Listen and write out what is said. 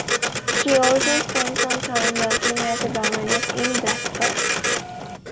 She also spent some time working as a governess in Blackall.